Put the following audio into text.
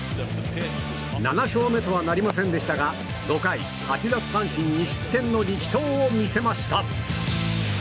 ７勝目とはなりませんでしたが５回８奪三振２失点の力投を見せました。